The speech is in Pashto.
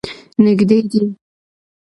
نږدې دی.